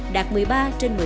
đạt một mươi ba ba triệu